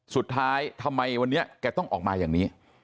ทำไมวันนี้แกต้องออกมาอย่างนี้